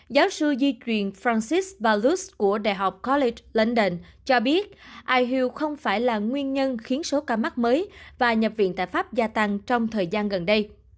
giáo sư di truyền francis vaus của đại học corly blandden cho biết ihu không phải là nguyên nhân khiến số ca mắc mới và nhập viện tại pháp gia tăng trong thời gian gần đây